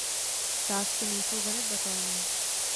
Sázky nejsou zanedbatelné.